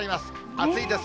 暑いです。